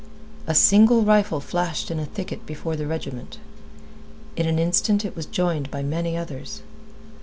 A single rifle flashed in a thicket before the regiment. In an instant it was joined by many others.